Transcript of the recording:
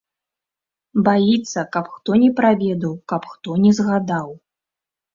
Баіцца, каб хто не праведаў, каб хто не згадаў.